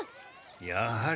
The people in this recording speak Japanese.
やはり。